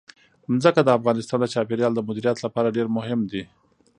ځمکه د افغانستان د چاپیریال د مدیریت لپاره ډېر مهم دي.